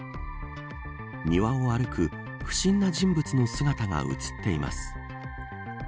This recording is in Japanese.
庭を歩く不審な人物の姿が映っています。